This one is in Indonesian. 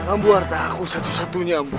amu harta aku satu satunya ambu